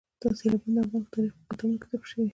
سیلابونه د افغان تاریخ په کتابونو کې ذکر شوی دي.